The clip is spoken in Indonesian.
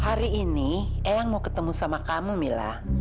hari ini eyang mau ketemu sama kamu mila